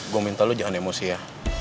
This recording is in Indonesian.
gue minta lu jangan emosi ya